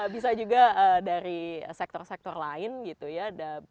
bisa juga dari sektor sektor lain gitu ya